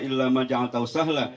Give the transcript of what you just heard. illa maja'atau sahla